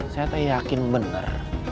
saya tak yakin benar